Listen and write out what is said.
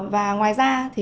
và ngoài ra thì